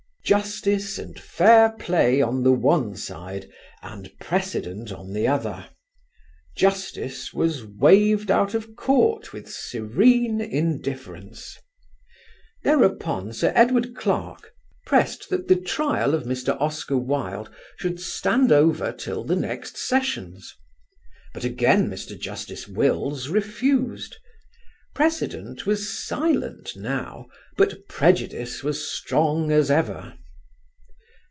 Justice and fair play on the one side and precedent on the other: justice was waved out of court with serene indifference. Thereupon Sir Edward Clarke pressed that the trial of Mr. Oscar Wilde should stand over till the next sessions. But again Mr. Justice Wills refused. Precedent was silent now but prejudice was strong as ever.